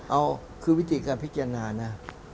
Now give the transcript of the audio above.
เอาคือวิธีการพิจารณานะ